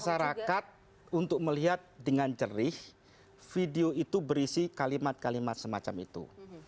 masyarakat untuk melihat dengan cerih video itu berisi kalimat kalimat semacam itu